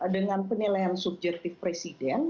dengan penilaian subjektif presiden